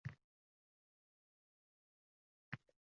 Ko`hlikkina ekan